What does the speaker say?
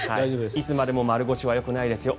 いつまでも丸腰はよくないですよ